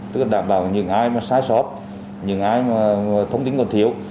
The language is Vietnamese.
tức là đảm bảo những ai mà sai sót những ai mà thông tin còn thiếu